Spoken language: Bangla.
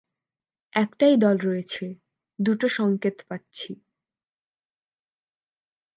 একটাই দল রয়েছে, দুটো সংকেট পাচ্ছি।